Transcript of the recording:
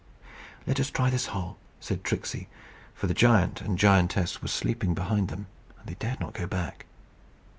"Let us try this hole," said Tricksey; for the giant and giantess were sleeping behind them, and they dared not go back.